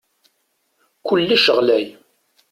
Kullec ɣlay.